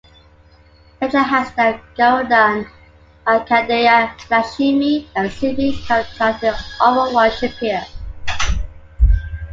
Legend has it that Garudan, Markandeya, Lakshmi and Sibi Chakravarti offered worship here.